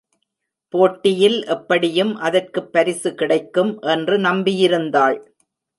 போட்டியில் எப்படியும் அதற்குப் பரிசு கிடைக்கும் என்று நம்பியிருந்தாள்.